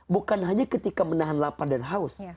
bukan hanya ketika menahan lapar dan haus